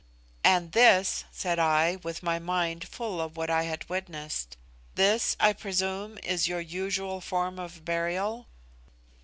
"And this," said I, with my mind full of what I had witnessed "this, I presume, is your usual form of burial?"